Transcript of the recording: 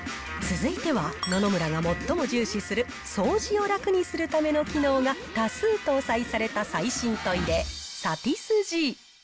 続いては野々村が最も重視する掃除を楽にするための機能が多数搭載された最新トイレ、サティスＧ。